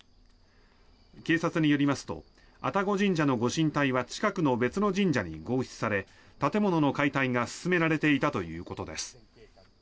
警察によりますと愛宕神社のご神体は近くの別の神社に合祀され建物の解体が進められていたということです。